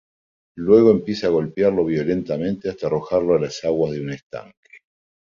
Luego empieza a golpearlo violentamente, hasta arrojarlo a las aguas de un estanque.